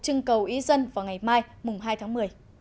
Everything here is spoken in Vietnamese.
trưng cầu ý dân vào ngày mai mùng hai tháng một mươi